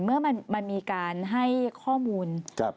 เมื่อมันมีการให้ข้อมูล